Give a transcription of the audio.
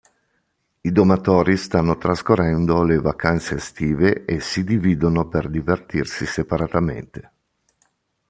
I Domatori stanno trascorrendo le vacanze estive e si dividono per divertirsi separatamente.